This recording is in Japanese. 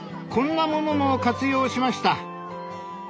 こんなものも活用しました。